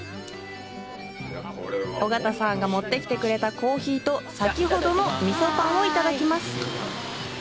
緒方さんが持ってきてくれたコーヒーと先ほどの、みそぱんをいただきます！